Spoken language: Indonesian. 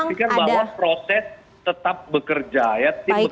saya akan pastikan bahwa proses tetap bekerja ya tim bekerja dan tentu kita akan sampaikan